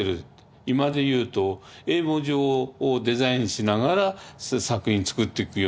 今で言うと英文字をデザインしながら作品作っていくような感じで。